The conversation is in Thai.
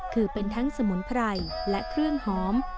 คือเป็นทั้งสมุนไพรและเครื่องหอม